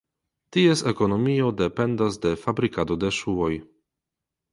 Ties ekonomio dependas de fabrikado de ŝuoj.